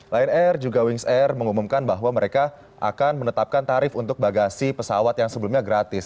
lion air juga wings air mengumumkan bahwa mereka akan menetapkan tarif untuk bagasi pesawat yang sebelumnya gratis